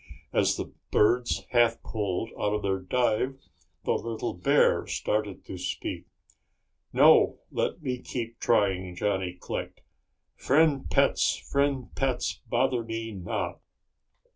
As the birds half pulled out of their dive, the little bear started to speak. "No, let me keep trying," Johnny clicked. "Friend pets, friend pets, bother me not."